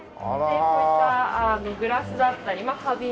こういったグラスだったり花瓶だったり。